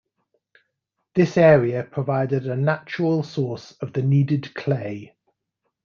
This area provided a natural source of the needed clay.